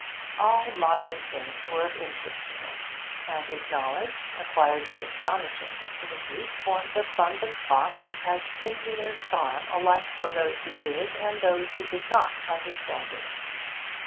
All modern things were of interest to him, and his knowledge, acquired with astonishing facility, formed the fund of talk which had singular charm alike for those who did and those who did not understand it.